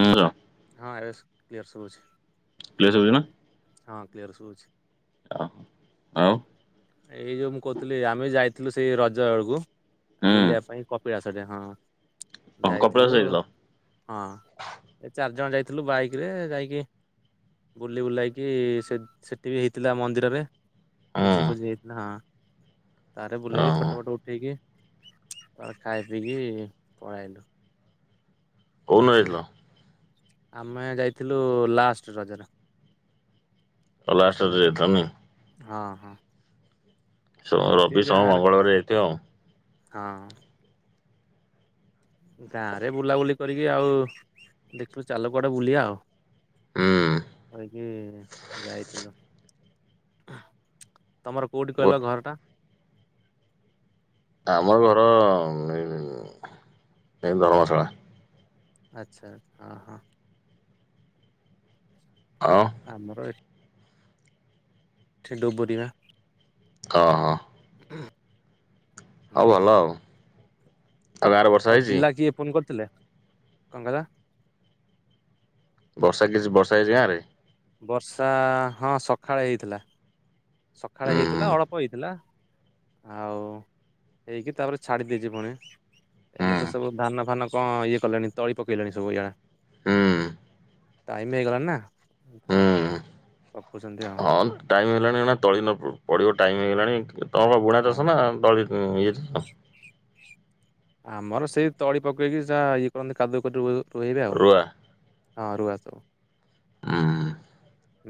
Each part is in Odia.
ହୁଁ। ହଁ ଏବେ କ୍ଲିୟର ସୁବୁଛି। କ୍ଲିୟର ଶୁଭୁଚି ନା। ହଁ କ୍ଲିୟର ଶୁଭୁଚି। ଓହୋ ଆଉ। ଏଇ ଯୋଉ ମୁଁ କହୁଥିଲି ଆମେ ଯାଇଥିଲୁ ସେଇ ରଜ ବେଳକୁ। ବୁଲିବା ହୁଁ ପାଇଁ କପିଳାସ ଘଟିକା ହଁ କପିଳାସ ଯାଇଥିଲୁ ଯାଇଥିଲ? ହଁ ଏ ଚାରି ଜଣ ଯାଇଥିଲୁ ବାଇକ ରେ ଯାଇକି ବୁଲି ବୁଲାଇକି ସେ ସେଠି ବି ହେଇଥିଲା ମନ୍ଦିରରେ। ହଁ। ଭୋଜି ହେଇଥିଲା ହଁ ତାରେ ବୁଲବୁଲି ଓହୋ ଫଟୋ ଫଟ ଉଠ ଉଠେଇକି ତାପରେ ଖାଇ ପିଇକି ପଳେଇ ଆଇଲୁ। କଉଦିନ ଯାଇଥିଲ? ଆମେ ଯାଇଥିଲୁ ଲାଷ୍ଟ ରଜରେ ଶେଷ ଲାଷ୍ଟରେ ଦିନ। ଯାଇଥିଲ ନାଇଁ। ହଁ ହଁ। ସୋମ ଏମିତି ରବି ସୋମ ଗାଁରେ ମଙ୍ଗଳବାର ଯାଇଥିବ ଆଉ। ହଁ। ଗାଁରେ ବୁଲାବୁଲି କରିକି ଆଉ ଦେଖିଲୁ ଚାଲ କୁଆଡେ଼ ବୁଲିବା ଆଉ। ହୁଁ। ଟିକେ ଯାଇଥିଲୁ, ତମର କୋଉଠି କହିଲ ମୋ- ଘରଟା? ଆମ ଘର ଅ, ଏଇ ଧରମଶାଳା। ଆଛା, ହଁ ହଁ। ଆଉ ଆମର ଏ ଠି ଡ଼ୁବୁରୀ ବା। ହଁ ହଁ। ହୁଁ ହୁଁ ଆଉ ଭଲ ଆଉ। ଆଉ ଗାଁରେ ବର୍ଷା ଆଉ ହେଇଛି ପିଲା କିଏ ଫୋନ କରିଥିଲେ? କଣ କହିଲ? ବର୍ଷା କିଛି, ବର୍ଷା ହେଇଛି ଗାଁରେ? ବର୍ଷା ହଁ ସକାଳେ ହେଇଥିଲା, ସକାଳେ ହୁଁ ହେଇଥିଲା, ଅଳପ ହେଇଥିଲା। ଆଉ ହେଇକି ତାପରେ ଛାଡି ଦେଇଚି ପୁଣି। ହୁଁ ଏଇଲେ ତ ସବୁ ଧାନଫାନ କଣ, ଇଏ କଲେଣି, ତଳି ପକେଇଲେଣି ସବୁ ଇଆଡେ। ହୁଁ ଟାଇମ ହେଇଗଲାଣି ନା? ତ ହୁଁ। ପକଉଛନ୍ତି ଆଉ। ହଁ ଟାଇମ ହେଇଗଲାଣି, ଏନା ତଳି ନ ପଡିବ, ଟାଇମ ହଁ ହେଇଗଲାଣି, ତମ ବୁଣା ଚାଷ ନା ତଳି [unintelligible] ଆମର ସେଇ ତଳି ପକେଇକି ଯା ଇଏ କରନ୍ତି, କାଦୁଅ କରି ରୁ ରୁଏଇବେ ଆଉ। ରୁଆ? ହଁ, ରୁଆ ସବୁ। ହୁଁ।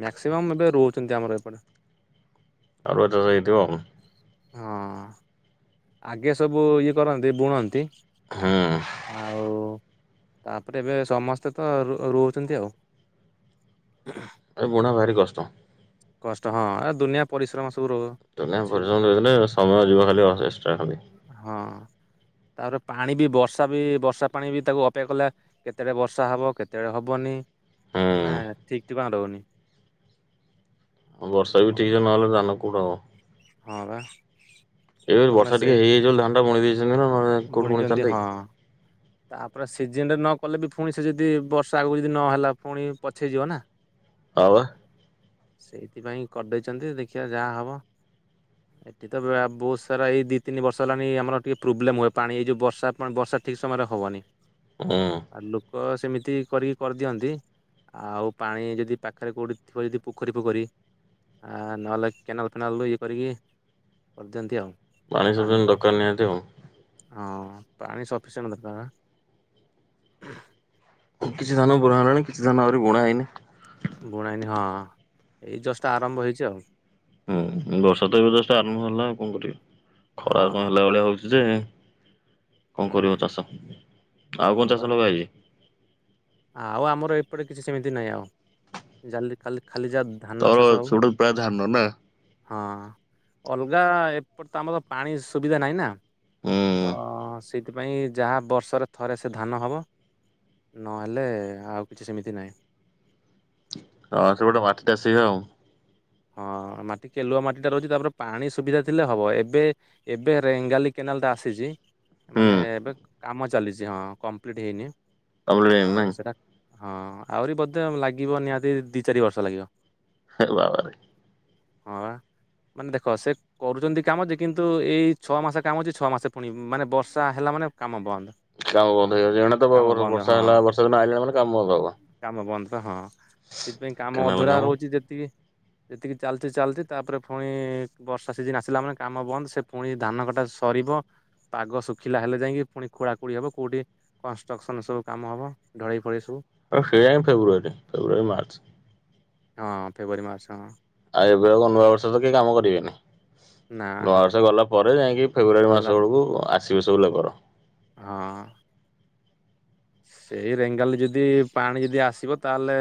ମ୍ୟାକ୍ସିମମ୍ ଏବେ ରୋଉଛନ୍ତି ଆମର ଏପଟେ। [unintelligible] ହେଇଥିବ ଆଉ। ହଁ ଆଗେ ସବୁ ଇଏ କରନ୍ତି, ବୁଣନ୍ତି ହୁଁ ଆଉ, ତାପରେ ଏବେ ସମସ୍ତେ ତ ରୋ ରୋଉଚନ୍ତି ଆଉ। [unintelligible] ଏ ବୁଣା ଭାରି କଷ୍ଟ। କଷ୍ଟ ହଁ, ଏ ଦୁନିଆ ପରିଶ୍ରମ ସବୁ ର ଦୁନିଆ ପରିଶ୍ରମ ନେଇଗଲେ ସମୟ ଯିବ ଖାଲି ଅସେଷ୍ଟା ଖାଲି ହଁ ତାପରେ ପାଣି ବି, ବର୍ଷା ବି, ବର୍ଷା ପାଣି ବି, ତାକୁ ଅପେକ୍ଷା କଲେ କେତେବେଳେ ବର୍ଷା ହବ, କେତେବେଳେ ହବନି ନା, ହୁଁ। ଠିକ ଠିକଣା ରହୁନି। ଆଉ ବର୍ଷା ବି ଠିକ୍ ସେ ନହଲେ ଧାନ କୋଉଠୁ ହବ? ହଁ ବା। ଏବେ ତମେ ବର୍ଷା ଟିକେ ସେଇ ହେଇଯାଇଛି ବୋଲି, ଧାନଟା ବୁଣି ଦେଇଛନ୍ତି ନା, ନହେଲେ ଏଇନା କୋଉଠି ବୁଣିଛନ୍ତି ବୁଣିଥାନ୍ତେ ହଁ। କି? ତାପରେ ସିଜନରେ ନ କଲେ ବି ଫୁଣି ସେ ଯଦି ବର୍ଷା ଆଗକୁ ଯଦି ନହେଲା, ପୁଣି ପଛେଇଯିବ ନା? ହଁ ବା। ସେଇଥିପାଇଁ କରିଦେଇଛନ୍ତି, ଦେଖିବା ଯାହା ହବ। [unintelligible] ଏଠି ତ ବହୁତ ସାରା ଏଇ ଦି ତିନି ବର୍ଷ ହେଲାଣି ଆମର ଟିକେ ପ୍ରୋବ୍ଲେମ ହୁଏ ପାଣି, ଏଇ ଯୋଉ ବର୍ଷା ପା ବର୍ଷା ଠିକ ସେ ସମୟରେ ହବନି। ହୁଁ ଆଉ ଲୋକ ସେମିତି କରିକି କରିଦିଅନ୍ତି। ଆଉ ପାଣି ଯଦି ପାଖରେ କୋଉଠି ଥିବ ଯଦି ପୋଖରୀ ପୋଖରୀ ଆ ନହେଲେ କେନାଲ ଫେନାଲରୁୁ ଇଏ କରିକି କରିଦିଅନ୍ତି ଆଉ। ପାଣି ସବୁ ଦରକାର ନିହାତି ଆଉ। ହଁ ପାଣି ସଫିସିୟଣ୍ଟ ଦରକାର। [unintelligible] ବୁଣାଇନି ହଁ। ଜଷ୍ଟ୍ ଆରମ୍ଭ ହେଇଛି ଆଉ। ହୁଁ ବର୍ଷା ତ ଏବେ ଜଷ୍ଟ ଆରମ୍ଭ ହେଲା ଆଉ କଣ କରିବା। ଖରା କଣ ହଁ ହେଲା ଭଳିଆ ହଉଛି ଯେ। କଣ ହୁଁ କରିବ ଚାଷ ଆଉ ହଁ କଣ ବା ଚାଷ ଲଗାହେଇଛି? ଆଉ ଆମର ଏପଟେ କିଛି ସେମିତି ନାହିଁ ଆଉ ଜାଳି କାଲି ଖାଲି ଯାହା ଧାନ ତୋର ଚାଷ ହବ ସୋଟା ପ୍ରାୟ ଧାନ ନା? ହଁ ଅଲଗା ଏପଟେ ତ ଆମର ପାଣି ସୁବିଧା ନାହିଁ ନା। ହୁଁ ତ ସେଇଥିପାଇଁ ଯାହା ବର୍ଷରେ ଥରେ ସେ ଧାନ ହବ। ନହେଲେ ଆଉ କିଛି ସେମିତି ନାହିଁ। ହଁ ସେପଟେ ମାଟିଟା ସେଆ ଆଉ। ହଁ ମାଟି କେଲୁଆ ମାଟି ଟା ରହୁଛି ତାପରେ ପାଣି ସୁବିଧା ଥିଲେ ହବ ଏବେ ଏବେ ରେଙ୍ଗାଲି କେନାଲ ଟା ଆସିଛି। ମାନେ ହୁଁ। ଏବେ କାମ ଚାଲିଛି ହଁ କଂପ୍ଲିଟ୍ ହେଇନି କମ୍ପ୍ଲିଟ ଆଉ ନାଇଁ ସେଟା ହଁ ଆହୁରି ବୋଧେ ଲାଗିବ ନିହାତି ଦି ଚାରି ବର୍ଷ ଲାଗିବ। ହେ ବାବାରେ। ହଁ ବା ମାନେ ଦେଖ ସେ କରୁଛନ୍ତି କାମ ଯେ କିନ୍ତୁ ଏଇ ଛଅ ମାସ କାମ ଅଛି ଛଅ ମାସ ପୁଣି ମାନେ ବର୍ଷା ହେଲା ମାନେ କାମ ବନ୍ଦ। କାମ ବନ୍ଦ ହେଇଯାଉଛି ଏଣେ ତ ବ କାମ ବନ୍ଦ ବର୍ଷା ହଁ ହେଲା ବର୍ଷା ଦିନ ଆଣିଲାଣି ମାନେ କାମ ବନ୍ଦ ହବ। କାମ ବନ୍ଦ ତ ହଁ ସେଥିପାଇଁ କାମ ଅଧୁରା ରହୁଛି ଯେତିକି ଯେତିକି ଚାଲିଚି ଚାଲିଚି ତାପରେ ପୁଣି ବର୍ଷା ସିଜିନ ଆସିଲା ମାନେ କାମ ବନ୍ଦ ସେ ପୁଣି ଧାନ କଟା ସରିବ ପାଗ ଶୁଖିଲା ହେଲେ ଯାଇକି ପୁଣି ଖୋଳା ଖୋଳି ହବ କୋଉଠି କଷ୍ଟ୍ରକ୍ସନ ସବୁ କାମ ହବ ଢଳେଇ ପଳେଇ ସବୁ। ସେଆହିଁ ଫେବୃଆରୀ ଫେବୃଆାରୀ ମାର୍ଚ୍ଚ। ହଁ ଫେବୃଆାରୀ ମାର୍ଚ୍ଚ ହଁ। ଆଉ ଏବେ ଆ ନୂଆବର୍ଷ ତ କି କାମ କରିବେନି ନା ହଁ ନୂଆବର୍ଷ ଗଲା ପରେ ଯାଇକି। ଫେବୃୟାରୀ ଗଲା ମାସ ବେଳକୁ ଆସିବେ ସବୁ ଲେବର। ହଁ। ସେଇ ରେଙ୍ଗାଲରେ ଯଦି ପାଣି ଯଦି ଆସିବ ତାହେଲେ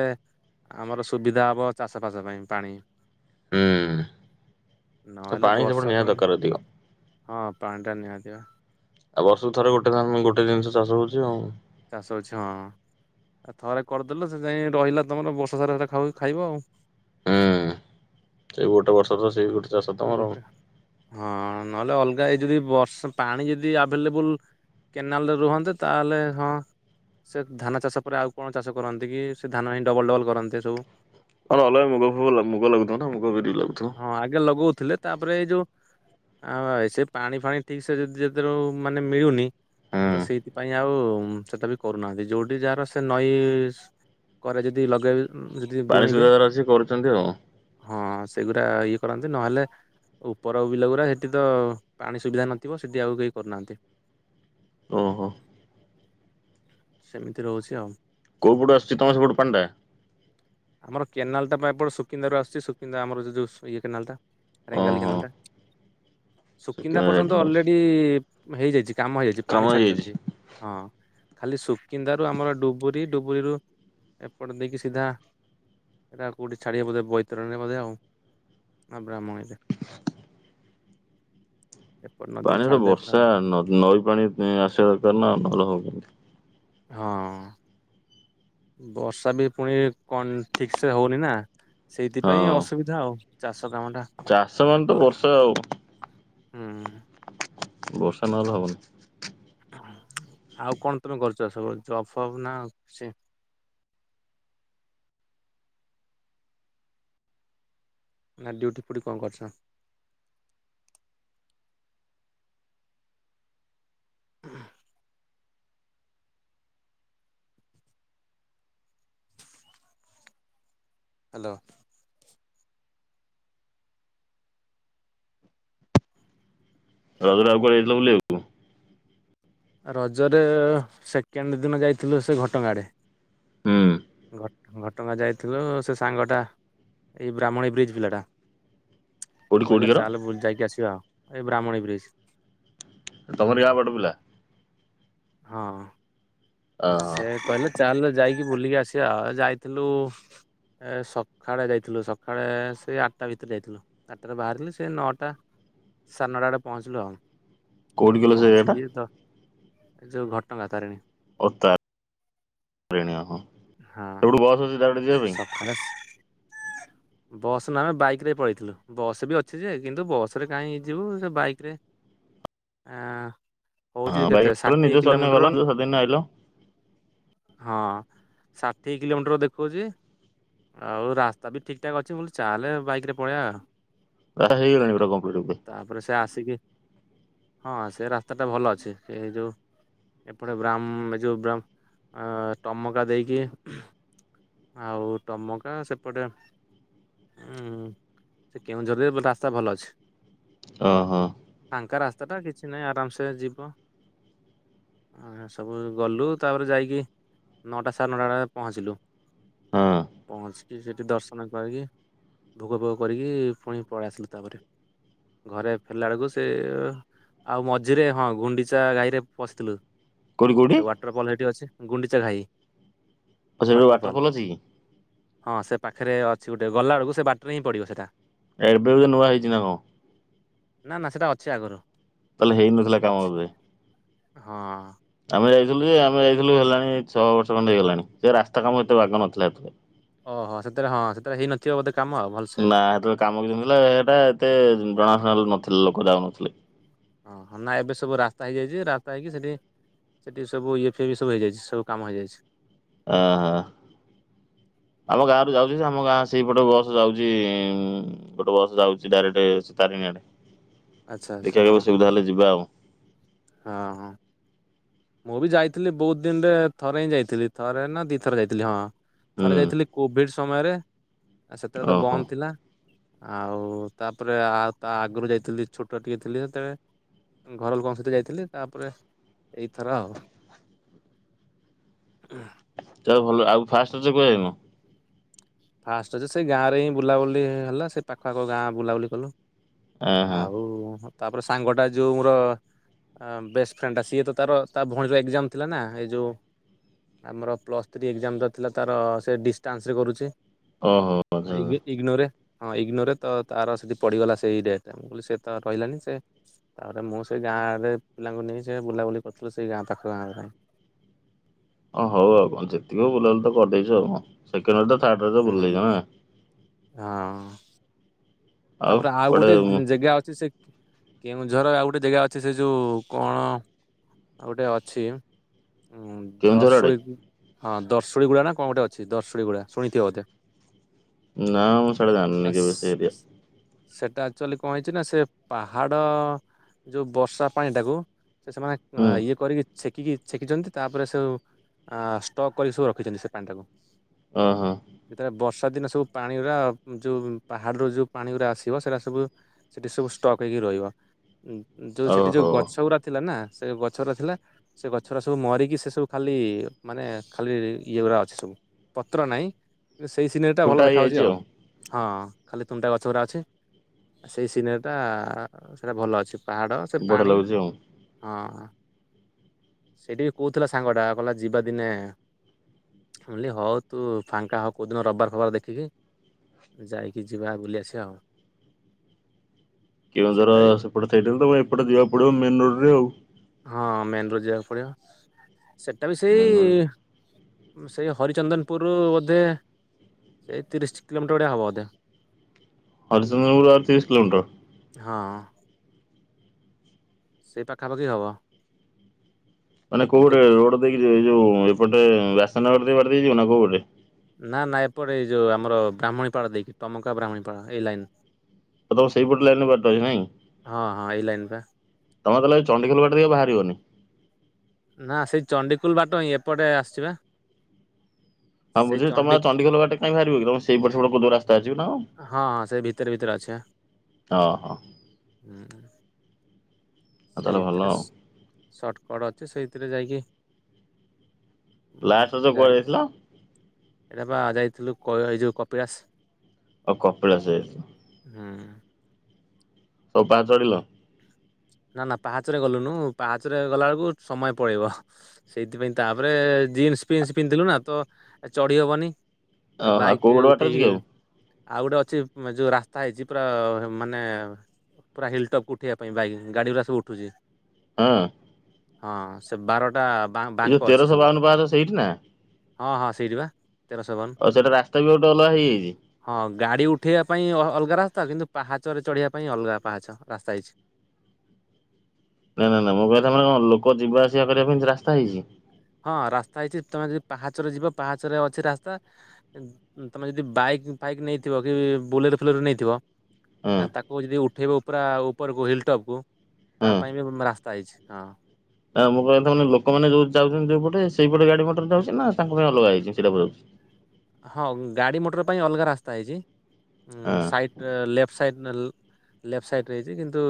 ଆମର ସୁବିଧା ହେବ ଚାଷ ଫାସ ପାଇଁ ପାଣି ହୁଁ। ତ ନହେଲେ ପାଣି ସେପଟେ ବର୍ଷା ନିହାତି ପାଣି ଦରକାର ଅଧିକ। ହଁ ପାଣି ଟା ନିହାତିି ବା। ଆଉ ବର୍ଷକୁ ଥରେ ଗୋଟେ ଗୋଟେ ଜିନଷ ଚାଷ ହଉଛି ଆଉ। ଚାଷ ଅଛି ହଁ ଥରେ କରିଦେଲ ସେ ଯାଇ ରହିଲା ତମର ବର୍ଷା ସାରା ସାରା ଖାଉ ଖାଇବ ଆଉ। ହୁଁ ସେଇ ଗୋଟେ ବର୍ଷ ତ ସେଇ ଚାଷ ତମର ଆଉ। ଗୋଟେ ହଁ ନହେଲେ ଅଲଗା ଏ ଯଦି ବର୍ଷା ପାଣି ଯଦି ଆଭେଲେବୁଲ କେନାଲରେ ରୁହନ୍ତେ ତାହେଲେ ହଁ। ସେ ଧାନ ଚାଷ ପରେ ଆଉ କଣ ଚାଷ କରନ୍ତି କି ସେ ଧାନ ହିଁ ଡବଲ ଡବଲ କରନ୍ତି ସବୁ। [unintelligible] ଅଲଗା ଲଗଉଥିଲେ ତାପରେ ଏଇ ଯୋଉ ଆଉ ଏ ସେ ପାଣି ଫାଣି ଠିକ ସେ ଯଦି ଯେତେବେ ମାନେ ମିଳୁନି ତ ହୁଁ ସେଇଥିପାଇଁ ଆଉ ସେଟ ବି କରୁନାହାନ୍ତି ଯୋଉଠି ଯାହାର ସେ ନଈ ପରେ ଯଦି ଲଗାଇବେ। ଉ ଯଦି ପାଣି ବୁଣିବେ ସୁଧାଗର ଅଛି କରୁଛନ୍ତି ଆଉ। ହଁ ସେଗୁରା ଇଏ କରନ୍ତି ନହେଲେ ଉପର ବିଲ ଗୁରା ସେଠି ତ ପାଣି ସୁବିଧା ନଥିବ? ସେଠି ଆଉ କେହି କରୁନାହାନ୍ତି। ଓ ହୋ। ସେମିତି ରହୁଛି ଆଉ। କୋଉପଟୁ ଆସୁଛି ତମ ସେପଟୁ ପାଣିଟା? ଆମର କେନାଲଟ ଟା ପା ଏପଟୁ ସୁକିନ୍ଦାରୁ ଆସୁଛି। ସୁକିନ୍ଦା ଆମର ଯୋଉ ଇଏ କେନାଲଟା ରେଙ୍ଗାଲି ଓହୋ କେନାଲ ଟା। ସୁକିନ୍ଦା ପର୍ଯ୍ୟନ୍ତ ସେକେଣ୍ଡ ଅଲରେଡି ହେଇଯାଇଛି କାମ ହେଇଯାଇଛି ପାଣି ଛାଡିଛନ୍ତି। ହଁ ଖାଲି ସୁକିନ୍ଦାରୁ ଆମର ଡୁବୁରି ଡୁବୁରିରୁ ଏପଟ ଦେଇକି ସିଧା ସେଇଟା କୋଉଠି ଛାଡିବେ ବୋଧେ ବୈତରଣୀ ବୋଧେ ଆଉ ବ୍ରାହ୍ମଣୀ ରେ। [inaudible] ଏପଟ ନଦୀରେ ପାଣିର ଛାଡିଦେବେ ପୁରା ବର୍ଷା ଆଉ ନ ନଈ ପାଣି ଆସିବା ଦରକାର ନା ନହେଲେ ହବନି। ହଁ। ବର୍ଷା ବି ପୁଣି କଣ ଠିକ ସେ ହଉନି ନା ସେଇଥିପାଇଁ ହଁ ଅସୁବିଧା। ଧା ଚାଷ କାମ ଟା। ଚାଷ ମାନେତ ଏକଲା ବର୍ଷା ଆଉ। ହୁଁ। ବର୍ଷା ନହେଲେ ହବନି। ଆଉ କଣ ତମେ କରିଚ ସବୁ ଜଫ୍ ଫଫ୍ ନା ଆଉ କିଛି? ନା ଡ୍ୟୁଟି ଫ୍ୟୁଟି କଣ କରୁଛ? ହ୍ୟାଲୋ। ରଜରେ ଆଉ କୁଆଡେ଼ ଯାଇଥିଲ ବୁଲିବାକୁ? ରଜରେ ସେକେଣ୍ଡ ଦିନ ଯାଇଥିଲୁ ସେ ଘଟଗାଁ ଆଡ଼େ। ହୁଁ। ଘଟ ଘଟଗାଁ ଯାଇଥିଲୁ ସେ ସାଙ୍ଗଟା ଏଇ ବ୍ରାହ୍ମଣୀ ବ୍ରିଜ୍ ପିଲାଟା ହୁଁ କୋଉଠି କହିଲା କୋଉଠିକାର ଚାଲ ବୁଲି ଯାଇକି ଆସିବା ଆଉ। ଏଇ ବ୍ରାହ୍ମଣୀ ବ୍ରିଜ ତମରି ଗାଁ ପଟୁ ପିଲା? ହଁ। ହଁ। ସେ କହିଲା ଚାଲେ ଯାଇକି ବୁଲିକି ଆସିବା। ଯାଇଥିଲୁ ଏ ସକାଳେ ଯାଇଥିଲୁ ସକାଳେ ସେ ଆଠଟା ଭିତରେ ଯାଇଥିଲୁ। ଆଠଟାରେ ବାହାରିଥିଲୁ ସେ ନଅଟା ସାଢ଼େ ନଅଟା ବେଳେ ପହଞ୍ଚିଲୁ ଆଉ। କୋଉଠି କହିଲ ସେ ଜାଗାଟା ପହଞ୍ଚିକି ତ ଏ ଯୋଉ ଘଟ ଗାଁ ତାରିଣୀ ଓ ତ [unintelligible] ତାରିଣୀ ହଁ ହଁ ସେବୁଠୁ ବସ୍ ଅଛି ଡାଇରେକ୍ଟ ଯିବା ପାଇଁ? [unintelligible] [inaudible] ବସ୍ ନା ଆମେ ବାଇକିରେ ପଳେଇଥିଲୁ। ବସ୍ ବି ଅଛି ଯେ କିନ୍ତୁ ବସ ରେ କାହିଁ ଯିବୁ ସେ ବାଇକ ରେ ଆଁ ହଁ ବାଇକିରେ ଗଲ ନିଜ ସ୍ୱାଧୀନରେ ଗଲ ନିଜ ସ୍ୱାଧୀନ ରେ ଆଇଲ। ହଁ ଷାଠିଏ କିଲୋମିଟର ଦେଖଉଚି। ଆଉ ରାସ୍ତା ବି ଠିକ୍ ଠାକ୍ ଅଛି ବୋଲି ଚାଲେ ଆଉ ବାଇକ ରେ ପଳେଇଆ ଆଉ। କରାଯାଇହେଇଗଲାଣି ପୁରା କମ୍ପ୍ଲିଟ ରୂପେ। ତାପରେ ସେ ଆସିକି ହଁ ସେ ରାସ୍ତାଟା ଭଲ ଅଛି। ଏ ଯୋଉ ଏପଟେ ବ୍ରା ଯୋଉ ବ୍ରାଉନ ଟମକା ଦେଇକି ଆଉ ଟମକା ସେପଟେ ହୁଁ ସେ କେଉଁଝରରେ ରାସ୍ତା ଭଲ ଅଛି। ଓ ହୋ। ଫାଙ୍କା ରାସ୍ତାଟା କିଛି ନାହିଁ ଆରାମସେ ଯିବ। ଆ ସବୁ ଗଲୁ ତାପରେ ଯାଇକି ନଅଟା ସାଢ଼େ ନଅଟା ବେ ପହଞ୍ଚିଲୁ ହଁ ପହଞ୍ଚି ସେଠି ଦର୍ଶନ କରିକି ଭୋଗ ଭୋଗ କରିକି ପୁଣି ପଳେଇ ଆସିଲୁ ତାପରେ। ଘରେ ଫେରିଲା ବେଳକୁ ସେ ଆଉ ମଝିରେ ହଁ ଗୁଣ୍ଡିଚା ଗାଈରେ ପଶିଥିଲୁ କୋଉଟି କୋଉଠି? ୱାଟରଫଲ୍ ସେଇଠି ଅଛି ଗୁଣ୍ଡିଚା ଘାଇ ଆଉ ସେଠି ୱାଟରଫଲ୍? ଅଛି କି? ହଁ ସେ ପାଖରେ ଅଛି ଗୋଟେ ଗଲାବେଳକୁ ସେ ବାଟରେ ହିଁ ପଡ଼ିବ ସେଇଟା? ଏବେ ବି ନୂଆ ହେଇଛି ନା କଣ? ନା ନା ସେଇଟା ଅଛି ଆଗରୁ। ତାହେଲେ ହେଇନଥିଲା କାମ ଅଛି ବୋଧେ? ହଁ। ଆମେ ଯାଇଥିଲୁ ଯେ ଆମେ ଯାଇଥିଲୁ ହେଲାଣି ଛଅ ବର୍ଷ ଖଣ୍ଡେ ହେଇଗଲାଣି ସେ ରାସ୍ତା କାମ ଏତେ ବାଗ ନଥିଲା ଏଥିରେ। ଓହୋ ସେଥିରେ ହଁ ସେଥିଟରେ ହେଇନଥିବ ବୋଧେ କାମ ଆଉ ଭଲ ନା ସେତେବେଳେ କାମ କିଛି ହର ନଥିଲା ସେଟା ଏତେ ଜଣାଶନାଲ ନଥିଲେ ଲୋକ ଯାାଉନଥିଲେ। ଓହୋ ନା ଏବେ ସବୁ ରାସ୍ତା ହେଇଯାଇଛି ରାସ୍ତା ହେଇକି ସେଠି ସେଠି ସବୁ ଇଏପିଇ ବି ସବୁ ହେଇଯାଇଛି ସବୁ କାମ ହେଇଯାଇଛି। ଆ ହା। ଆମ ଗାଁ ରୁ ଯାଉଛି ଯେ ଆମ ଗାଁ ସେଇପଟେ ବସ ଯାଉଛି ଗୋଟେ ବସ୍ ଯାଉଛି ଡାଇରେକ୍ଟ ସ ତାରିଣୀଆଡେ ଆଚ୍ଛା ଆଚ୍ଛା ଦେଖିବା ହଁ ଏଇ ବର୍ଷ ହଁ ସୁବିଧା ହେଲେ ଯିବା ଆଉ। ହଁ ହଁ। ମୁଁ ବି ଯାଇଥିଲି ବହୁତ ଦିନରେ ଥରେ ହିଁ ଯାଇଥିଲି ଥରେ ନା ଦି ଥରେ ଯାଇଥିଲି ହଁ। ଥରେ ହୁଁ ଯାଇଥିଲି କୋଭିଡ ସମୟରେ ସେତବେ ତ ଓହୋ। ବନ୍ଦ ଥିଲା। ଆଉ ତାପରେ ଆଉ ତା ଆଗରୁ ଯାଇଥିଲି ଛୋଟ ଟିକେ ଥିଲି ସେତେବେଳେ। ଘର ଲୋକଙ୍କ ସହିତ ଯାଇ ଥିଲି ତାପରେ ଏଇଥର ଆଉ ତ ଭଲ ଆଉ ଫାଷ୍ଟ ତ କୁହାଯାଇନ? ଫାଷ୍ଟ ଅଛି ସେଇ ଗାଁରେ ହିଁ ବୁଲାବୁଲି ହେଲା ସେ ପାଖାଆଖ ଗାଁ ବୁଲାବୁଲି କଲୁ। ଅ ହ। ଆଉ ତାପରେ ସାଙ୍ଗ ଟା ଯୋଉ ମୋର ବେଷ୍ଟ ଫ୍ରେଣ୍ଡଟା ସିଏ ତାର ତା ଭଉଣୀଜ ଏକ୍ଜାମ୍ ଥିଲା ନା ଏଇ ଯଉ ଆମର ପ୍ଲସ୍ ଥ୍ରୀ ଏକ୍ଜାମ ଯ ଥିଲା ତାର ସେ ଡିଷ୍ଟାନ୍ସ ରେ କରୁଛି। ଓହୋ। ଆଚ୍ଛା ଆଚ୍ଛା। କାଇଁକି? ଇଗନୋ ରେ ହଁ ଇଗ୍ନୋରରେ ତାର ସେଠି ପଡ଼ିଗଲା ସେଇ ଡେଟ୍ରେ ମୁଁ କହିଲି ସେଏ ତ ରହିଲାନି ସେ ତାପରେ ମୁଁ ସେଇ ଗାଁରେ ପିଲାଙ୍କୁ ନେଇ ସେ ବୁଲାବୁଲି କରିଥିଲି ସେଇ ଗାଁ ପାଖ ଗାଁରେ ହଁ ହଉ ଆଉ କଣ ଯେତିକି ବୁଲାୁ ତ କରିଦେଇଚୁ ଆଉ ହଁ ସେକେଣ୍ଡ ଥାର୍ଡ ରଜ ବୁଲି ଦେଇଛ ନା ହୁଁ ହୁଁ ହଁ। ତାପରେ ଆଉ ଗୋଟେ ଜେଗା ଅଛି ସେ କେଉଁଝର ଆଉ ଗୋଟେ ଜେଗା ଅଛି ସେ ଯୋଉ କଣ ଗୋଟେ ଅଛି। ହୁଁ, କେଉଁଝର ଆଡେ? ଦର୍ଶଉନ୍। ହଁ ଦର୍ଶଇ ଗୁଡା ନା କଣ ଗୋଟେ ଅଛି ଦର୍ଶୀ ଗୁଡା ଶୁଣିଥିବେ ବୋଧେ। ନାଁ ମୁଁ ସିଆଡେ ଜାନିନି କେବେ ସେ ଆସ୍ ଏରିିଆ। ସେଟା ଆଚୁଆଲି କଣ ହେଇଚି ନା ସେ ପାହାଡ ଯୋଉ ବର୍ଷା ପାଣି ଟାକୁ ସେ ହୁଁ ସେମାନେ ଇଏ କରିକି‌ ଛେକିକି ଛେକିଚନ୍ତି ତାପରେ ସେଉ ଅ ଷ୍ଟ୍ରକ୍ କରିକି ସବୁ ରଖିଚନ୍ତି ସେ ପାଣି ଟାକୁ। ହଁ ହଁ। ଯେତେବେଳେ ବର୍ଷା ଦିନେ ସବୁ ପାଣି ଗୁଡା ଯୋଉ ପାହାଡ ର ଯୋଉ ପାଣି ଗୁରା ଆସିବ ସେଇଟା ସବୁ ସେଠି ସବୁ ଷ୍ଟ୍ରକ୍ ହେଇକି ରହିବ ଯୋଉ ସେଠି ଓହୋ ଯୋଉ ଗ ସଗୁରା ଥିଲା ନା ସେ ଗଛ ଗୁର୍ ଥିଲା। ସେ ଗଛ ଗୁରା ସବୁ ମରିକି ସେ ସବୁ ଖାଲି ମାନେ ଖାଲି ଇଏ ଗୁରା ଅଛି ସବୁ। ପତ୍ର ନାଇଁ କି ସେଇ ସିନେରି ଟା ଖୁଣ୍ଟା ଭଲ ଦେଖାଯାଉଚି ହେଇଯାଇଛି ଆଉ ହଁ। ଖାଲି ଖୁଣ୍ଟା ଗଛ ଗୁରା ଅଛି ସେଇ ସିନେରିଟା ସେଇଟା ଭଲ ଅଛି। ପାହାଡ଼ ସେ ବଢିଆ ପାଣି ଲାଗୁଛି ଆଉ। ହଁ। ସେଇଠିକି କହୁଥିଲା ସାଙ୍ଗଟା କହିଲା ଯିବା ଦିନେ ମୁଁ ଇଲି ହଉ ତୁ ଫାଙ୍କା ହଅ କୋଉ ଦିନ ରବିବାର ଫବିବାର ଦେଖିକି। ଯାଇକି ଯିବା ବୁଲି ଆସିଆ ଆଉ। ସେଟା କେଉଁଝର ବି ସେପଟେ ସାଇଟି ରୁ ତମେ ଏପଟେ ଯିବାକୁ ପଡିବ ମେନ୍ ରୋଡ ରେ ଆଉ। ହଁ ମେନ୍ ରୁ ଯିବାକୁ ପଡିବ ସେଟା ବି ସେଇ ମେନ ରୋଡ ସେଇ ହରିଚନ୍ଦନପୁର୍ ରୁ ବୋଧେ ଏଇ ତିରିଶ୍ କିଲମିଟର ଭଳି ହବ ବୋଧେ। ହରିଚନ୍ଦନପୁରୁ ରୁ ଆଉ ତିରିଶି କିଲୋମିଟର? ହଁ। ସେଇ ପାଖାପାଖି ହବ। ମାନେ କୋଉଟେ ଦେଖି ରୋଡ୍ ଦେଇକି ଯିବେ ଏ ଯୋଉ ଏପଟେ ବାସନଗର ବାଟ ଦେଇଯିବେ ନା କୋଉ ବାଟେ? ନା ନା ଏପଟେ ଏଇ ଯୋଉ ଆମର ବ୍ରାହ୍ମଣୀ ପାଳ ଦେଇକି ଟମକା ବ୍ରାହ୍ମଣୀପାଳ ଏଇ ଲାଇନ୍। ତମର ସେଇପଟେ ଲାଇନି ରେ ବାଟ ଅଛି ନାଇଁ? ହଁ ହଁ ଏଇ ଲାଇନ ପା ତମେ ତାହେଲେ ଚଣ୍ଡିଖୋଲ ବାଟେ ଦେଇ ବାହାରିବନି? ନା ସେଇ ଚଣ୍ଡୀଖୋଲ୍ ବାଟ ହିଁ ଏପଟେ ଆସିଚି ବା। ହଁ ସେଇ ବୁଝିଲି ତମେ ଚଣ୍ଡି ଆଉ ଚଣ୍ଡିଖୋଲ ବାଟେ କାଇଁ ବାରିବ କି ତମର ସେଇ ପଟେ କଇଲ ରାସ୍ତା ଅଛି ତମର। ହଁ ହଁ ସେ ଭିତରେ ଭିତ୍ ଅ ହ। ଉଁ ହୁଁ। ଆଉ ସେ ତାହେଲେ ଭଲ ଭିତରେ ଆଉ ସର୍ଟକଡ୍ ଅଛି ସେଇଥିରେ ଯାଇକି ଉଁ ଲାଷ୍ଟ ରଜ କୁଆଡେ ଯାଇ ଯାଇଥିଲ? ଏଇଟା ବା ଯାଇଥିଲୁ କୈ ଏଇ ଯୋଉ କପିଳାସ୍। ଓ କପିଳାସ ଯାଇଥିଲ। ହୁଁ। ସବୁ ପାହାଚ ଚଢିଲ? ନା ନା ପାହାଚ ରେ ଗଲୁନୁ ପାହାଚ ରେ ଗଲାବେଳକୁ ସମୟ ପଳେଇବ। ସେଇଥିପାଇଁ ତାପରେ ଜିନ୍ସୂ ଫିନ୍ସୂ ପିନ୍ଧିଲୁଣୁ ଆଉ ତ ଚଢି ହବନି। ଓହୋ ଆଉ ବାଇକି କୋଉ ରେ ଗୋଟେ ବାଟ ଅଛି ଉଠେଇକି କି ଆଉ ଆଉ ଗୋଟେ ଅଛି ଯୋଉ ରାସ୍ତା ହେଇଚି ପୁରା ମାନେ ପୁରା ହିଲ୍ଟପ୍ ଉଠେଇବା ପାଇଁ ବାଇକ୍। ଗାଡି ଗୁରା ସବୁ ଉଠୁଚି। ହଁ। ହଁ ସେ ବାରଟା ବା ଏଇ ଯୋଉ ବାଙ୍କ ଅଛି ତେରଶହ ସବୁ ବାଉନ ପାହାଚ ସେଇଠି ନା ହଁ ହଁ ସେଇଟି ବା। ତେରଶହ ବାଉନ ଓ ସେଇଟା ରାସ୍ତା ବି ଗୋଟେ ଅଲଗା ହେଇଯାଇଛି? ହଁ ଗାଡି ଉଠେଇବା ପାଇଁ ଅ ଅଲଗା ରାସ୍ତା କିନ୍ତୁ ପାହାଚରେ ଚଢ଼ିବା ପାଇଁ ଅଲଗା ପାହାଚ ରାସ୍ତା ହେଇଛି। ନା ନା ନା ମୋ କହିଲା ମାନେ କଣ ଲୋକ ଯିବା ଆସିବା କରିବା ପାଇଁ ଏ ରାସ୍ତା ହେଇଛି? ହଁ ରାସ୍ତା ହେଇଛି ତମେ ଯଦି ପାହାଚରରେ ଯିବ ପାହାଚରେ ଅଛି ରାସ୍ତା ତମେ ଯଦି ବାଇକ୍ ଫାଇକ୍ ନେଇଥିବ କି ବୁଲେଟ ଫୁଲେଟ ନେଇଥିବ ହଁ ଆ ତାକୁ ଯଦି ଉଠେଇବ ପୁରା ଉପରକୁ ହିଲଟପ୍ କୁ ତା ପାଇଁ ବି ଉଁ ରାସ୍ତା ହେଇଛି। ହଁ। ଆ ମୁଁ କାଇବା କଥା ମାନେ ଲୋକମାନେ ଯୋଉ ଯାଉଛନ୍ତି ଯୋଉପଟେ ସେଇପଟେ ଗାଡି ମଟର ଯାଉଛି ନା ତାଙ୍କ ପାଇଁ ଅଲଗା ହେଇଛି ସେଇଟା ପଚାରୁଛି। ହଁ ଗାଡି ମୋଟର ପାଇଁ ଅଲଗା ରାସ୍ତା ହେଇଛି ଉଁ ହଁ ସାଇଟ୍ ଲେଫ୍ଟ ସାଇଡ ଲ ଲେଫ୍ଟ ସାଇଡ ରହିଛି କିନ୍ତୁ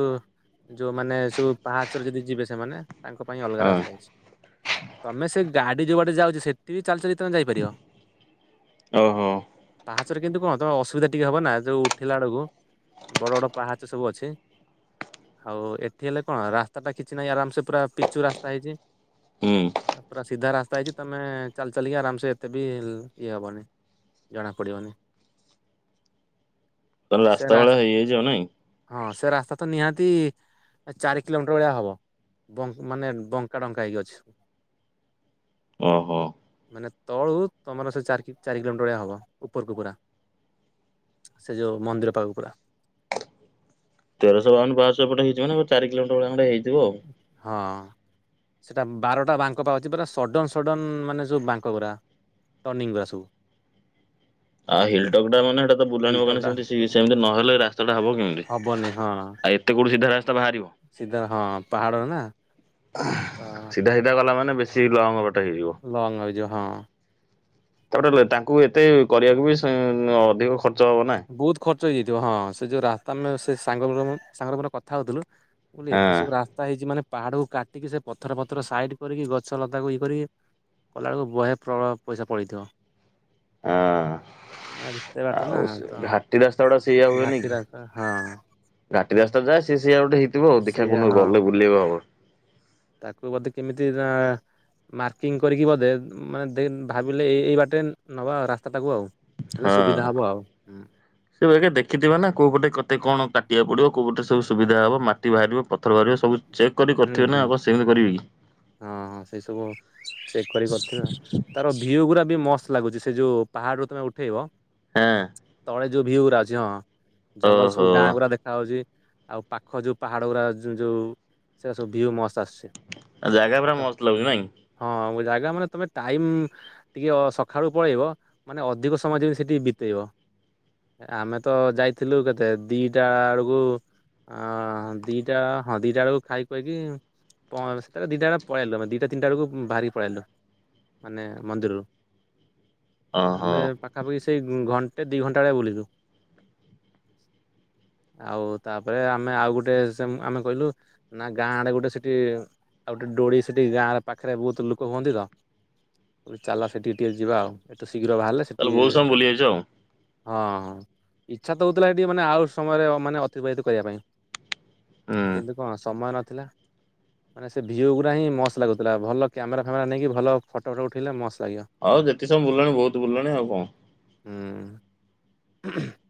ଯୋଉମାନେ ସବୁ ପାହାଚରେ ଯଦି ଯିବେ ସେମାନେ ତାଙ୍କ ପାଇଁ ଅଲଗା ହଁ ରାସ୍ତା ହେଇଛି। ତମେ ସେ ଗାଡି ଯୋଉବାଟେ ଯାଉଛି ସେଠି ବି ଚାଲି ଚାଲି ତମେ ଯାଇପାରିଅ। ଓହୋ। ପାହାଚରେ କିନ୍ତୁ କଣ ତମେ ଅସୁବିଧା ଟିକେ ହବ ନା ଯୋଉ ଉଠିଲା ବେଳକୁ। ବଡ ବଡ ପାହାଚ ସବୁ ଅଛି। ହଉ ଏଠି ହେଲେ କଣ ରାସ୍ତା ଟା କିଛି ନାହିଁ ଆରାମ ସେ ପୁରା ପିଚୁ ରାସ୍ତା ହେଇଛି। ହୁଁ ପୁରା ସିଧା ରାସ୍ତା ହେଇଛି ତମେ ଚାଲି ଚାଲିକି ଆରାମ ସେ ଏତେ ବି ଇଏ ହେବନି ଜଣାପଡ଼ିବନି। ତାହଲେ ସେ ରାସ୍ତା ରା ଭଳିଆ ହେଇଯାଇଛି ନାଇଁ? ହଁ ସେ ରାସ୍ତା ତ ନିହାତି ଚାରି କିଲୋମିଟର ଭଳିଆ ହବ। ବଙ୍କ ମାନେ ବଙ୍କା ଡଙ୍କା ହେଇକି ଅଛି। ଓ ହୋ। ମାନେ ତଳରୁ ତମର ସେ ଚାରି ଚାରି କିଲୋମିଟର ଭଳିଆ ହେବ ଉପରକୁ ପୁରା ସେ ଯେଉଁ ମନ୍ଦିର ପାଖକୁ ପୁରା ତେରଶହ ବାଉନ ପାହାଚ ଏଇପଟେ ହେଇଛି ମାନେ ଚାର କିଲୋମିଟର ଭଳିଆ ଖଣ୍ଡେ ହେଇଥିବ ଆଉ। ହଁ। ସେଇଟା ବାରଟା ବାଙ୍କ ପା ଅଛି ପୁରା ସଡ଼ନ ସଡ଼ନ ମାନେ ଯୋଉ ବାଙ୍କ ଗୁଡା ଟର୍ଣ୍ଣିଂଙ୍ଗ ଗୁଡା ସବୁ। ଆଉ ହିଲଟକ୍ ଟା ମାନେ ସେଟା ତ ହିଲ୍ ବୁଲାଣି ଟପ୍ ବଙ୍କାଣି ଟା ସେମିତି ସେମିତି ନହଲେ ରାସ୍ତାଟା ହବ କେମିତି? ହବନି ହଁ। ଆଉ ଏତେ କୋଉଠି ସିଧା ରାସ୍ତା ବାହାରିବ? ସିଧା ହଁ ପାହାଡରେ ନା। ଆ ତ ସିଧା ସିଧା ଗଲା ମାନେ ବେଶୀ ଲଙ୍ଗ ବାଟ ହେଇଯିବ। ଲଙ୍ଗ ହେଇଯିବ ହଁ। ତାପଟେ ତାଙ୍କୁ ଏତେ କରିବାକୁ ବି ସେ ଅଧିକ ଖର୍ଚ୍ଚ ହବ ନା। ବହୁତ ଖର୍ଚ୍ଚ ହେଇଯାଇଥିବ ହଁ ସେ ଯୋଉ ରାସ୍ତା ଆମେ ସେ ସାଙ୍ଗ ସାଙ୍ଗର ମୋର କଥା ହଉଥିଲୁ। ମୁଁ କହିଲି ଏତେ ହଁ। ସବୁ ରାସ୍ତା ହେଇଛି ମାନେ ପାହାଡକୁ କାଟିକି ସେ ପଥର ପଥର ସାଇଡ କରିକି ଗଛ ଲତାକୁ ଇଏ କରିକି କଲାବେଳକୁ ବହେ ପ୍ରଳୟ ପଇସା ପଳେଇଥିବ ହଁ ଏତେ ବାଟ ଆଉ ନା। ତ ଘାଟି ରାସ୍ତା ଗୁଡା ସେଇଆ ହୁଏନି ଘାଟି କି ରାସ୍ତା ହଁ। ଘାଟି ରାସ୍ତା ଯା ସେ ସେଇଆ ଗୋଟେ ହେଇ ଥିବ ଆଉ ଦେଖିଆ ସେଇଆ କୋଉଦିନ ହଁ ଗଲେ ବୁଲିଆକୁ ହବ। ତାକୁ ବୋଧେ କେମିତି ନା ମାର୍କିଂ କରିକି ବୋଧେ ମାନେ ଦେନ୍ ଭାବିଲେ ଏ ଏଇ ବାଟେନ୍ ନବା ଆଉ ରାସ୍ତାଟାକୁ ଆଉ। ହେଲେ ସୁବିଧା ହବ ଆଉ ହଁ। ସେ ବେଗେ ଦେଖିଥିବେ ନା କୋଉ ପଟେ କେତେ କଣ କାଟିବାକୁ ପଡିବ କୋଉ ପଟେ ସବୁ ସୁବିଧା ହବ ମାଟି ବାହାରିବ ପଥର ବାହାରିବ ସବୁ ଚେକ୍ କରି ହୁଁ କରିଥିବେ ହୁଁ ନା ଆଉ କଣ ସେମିତି କରିବେ କି। ହଁ ହଁ ସେଇ ସବୁ ଚେକ୍ କରିକି କରିଥିବେ। ତାର ଭିଉ ଗୁରାବି ମସ୍ତ ଲାଗୁଛି। ସେ ଯୋଉ ପାହାଡ ରୁ ତମେ ଉଠେଇବ ହଁ। ତଳେ ଯୋଉ ଭିଉ ଗୁରା ଅଛି ହଁ ଜଙ୍ଗଲ ଓହୋ ସବୁ ଗାଁ ଗୁରା ଦେଖ ଦେଖା ହଉଛି ଆଉ ପାଖ ଯୋଉ ପାହାଡ ଗୁରା ଯୋ ଯୋଉ ସେ ସବୁ ଭିଉ ମସ୍ତ ଆସୁଛି। ଆଉ ଜାଗା ପୁରା ଫଟୋ ମସ୍ତ ଲାଗୁଛି ନାଇଁ। ହଁ ଜାଗା ମାନେ ତମେ ଟାଇମ ଟିକିଏ ସକାଳୁ ପଳେଇବ ମାନେ ଅଧିକ ସମୟ ଯେମିତି ସେଠି ବିତେଇବ। ଆମେ ତ ଯାଇଥିଲୁ କେତେ ଦିଟା ବେଳକୁ ଅ ଦିଟା ହଁ ଦିଟା ବେଳକୁ ଖାଇ କହିକି ପ ସେବାରେସେଟାରେ ଦିଟା ବେଳେ ପଳେଇଲୁ ମାନେ ଦିଟା ତିନିଟା ବେଳକୁ ବାହାରିକି ପଳାଇଲୁ। ମାନେ ମନ୍ଦିରରୁ। ଓହୋ। ଆମେ ପାଖାପାଖି ସେଇ ଗୁ ଘଣ୍ଟେ ଦୁଇ ଘଣ୍ଟା ଭଳିଆ ବୁଲିଲୁ। ଆଉ ତାପରେ ଆମେ ଆଉ ଗୋଟେ ସେ ଆମେ କହିଲୁ ନା ଗାଁ ଆଡେ ଗୋଟେ ସେଠି ଆଉ ଗୋଟେ ଡୋଳି ସେଠି ଗାଁ ପାଖରେ ବହୁତ ଲୋକ ହୁଅନ୍ତି ତ। କହିଲି ଚାଲ ସେଠିକି ଟିକେ ଯିବା ଆଉ। ଏତେ ଶୀଘ୍ର ବାହାରିଲେ ତାହେଲେ ସେଠି ବହୁତ ସମୟ ବୁଲି ଯାଇଛ ଆଉ ହଁ ହଁ ଇଚ୍ଛା ତ ହଉଥିଲା ଏଠି ମାନେ ଆଉ ସମୟରେ ମାନେ ଅତିବାହିତ କରିବା ପାଇଁ। ହୁଁ କିନ୍ତୁ କଣ ସମୟ ନଥିଲା। ମାନେ ସେ ଭିଉ ଗୁରା ହିଁ ମସ୍ତ ଲାଗୁଥିଲା ଭଲ କ୍ୟାମେରା ଫ୍ୟାମେରା ନେଇକି ଭଲ ଫଟୋ ଫଟୋ ଉଠେଇଲେ ମସ୍ତ ଲାଗିବ। ଆଉ ଯେତିକି ସମୟ ବୁଲିଲଣି ବହୁତ ବୁଲିଲଣି ଆଉ କଣ। ହୁଁ। [unintelligible]